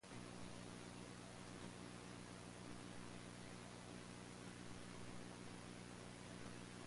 Like many American actors he moved to Italy where he acted in several films.